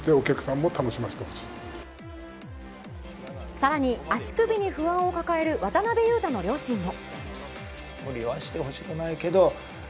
更に足首に不安を抱える渡邊雄太の両親も。